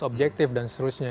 objektif dan seterusnya